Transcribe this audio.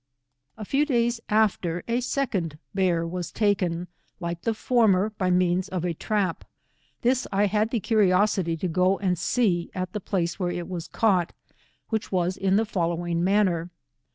A few days after a second bear was taken, like the former by means of a trap. This I had the cu riosity to go aud see at the place where it was caught, which was in the following manner.